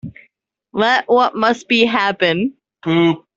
Let what must be, happen.